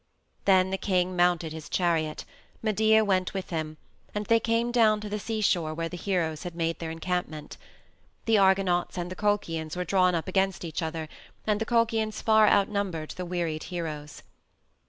Then the king mounted his chariot; Medea went with him, and they came down to the seashore where the heroes had made their encampment. The Argonauts and the Colchians were drawn up against each other, and the Colchians far outnumbered the wearied heroes.